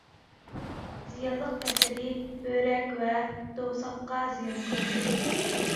زىيانلىق تەسىرى بۆرەك ۋە دوۋساققا زىيان قىلىدۇ.